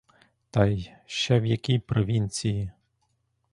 Та й ще в якій провінції.